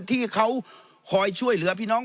ที่เขาคอยช่วยเหลือพี่น้อง